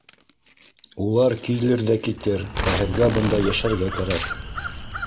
Улар килер ҙә китер, ә һеҙгә бында йәшәргә кәрәк.